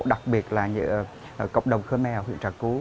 đặc biệt là cộng đồng khmer ở huyện trà cú